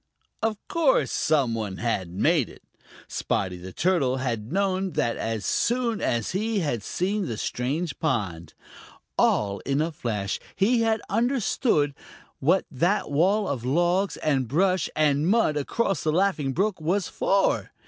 Of course some one had made it. Spotty the Turtle had known that as soon as he had seen the strange pond. All in a flash he had understood what that wall of logs and brush and mud across the Laughing Brook was for.